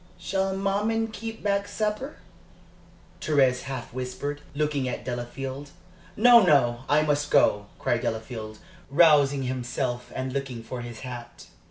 "Shall maman keep back supper?" Thérèse half whispered, looking at Delafield. "No, no, I must go!" cried Delafield, rousing himself and looking for his hat.